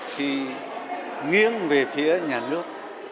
thì nghiêng về phía nhà nước